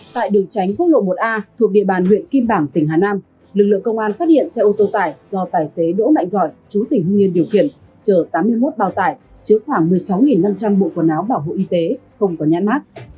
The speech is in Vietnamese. tại đường tránh quốc lộ một a thuộc địa bàn huyện kim bảng tỉnh hà nam lực lượng công an phát hiện xe ô tô tải do tài xế đỗ mạnh giỏi chú tỉnh hưng yên điều khiển chở tám mươi một bao tải chứa khoảng một mươi sáu năm trăm linh bộ quần áo bảo hộ y tế không có nhãn mát